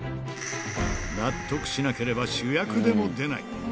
納得しなければ主役でも出ない。